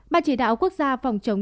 bà chỉ đạo quốc gia phòng chống